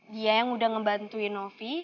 dia yang udah ngebantuin novi